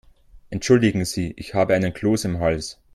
Entschuldigen Sie, ich habe einen Kloß im Hals.